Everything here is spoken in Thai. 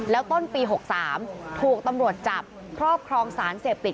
แล้วต้นปี๖๓ถูกตำรวจจับครอบครองสารเสพติด